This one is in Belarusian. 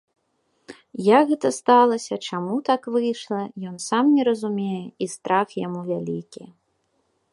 Як гэта сталася, чаму так выйшла, ён сам не разумее, і страх яму вялікі.